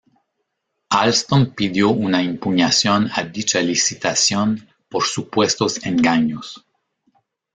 Alstom pidió una impugnación a dicha licitación por supuestos engaños.